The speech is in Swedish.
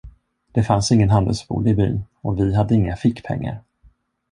Det fanns ingen handelsbod i byn och vi hade inga fickpengar.